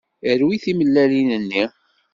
Rwi timellalin-nni.